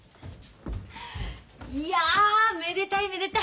いやめでたいめでたい。